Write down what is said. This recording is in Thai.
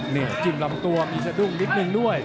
นี่จิ้มลำตัวมีสะดุ้งนิดนึงด้วย